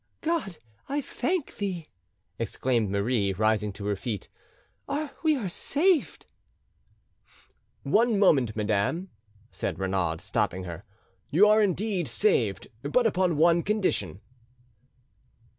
"God, I thank Thee!" exclaimed Marie, rising to her feet; "we are saved." "One moment, madam," said Renaud, stopping her: "you are indeed saved, but upon one condition."